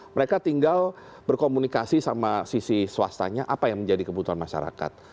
mereka tinggal berkomunikasi sama sisi swastanya apa yang menjadi kebutuhan masyarakat